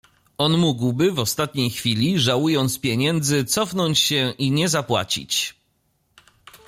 "On mógłby w ostatniej chwili, żałując pieniędzy, cofnąć się i nie zapłacić."